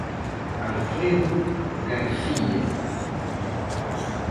Alfredo García.